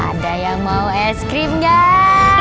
ada yang mau es krim gak